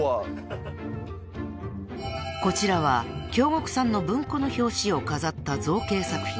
［こちらは京極さんの文庫の表紙を飾った造形作品］